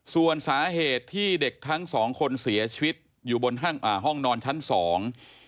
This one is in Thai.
ส่วนสาเหตุที่เด็กทั้งสองคนเสียชีวิตอยู่บนห้างอ่าห้องนอนชั้นสอง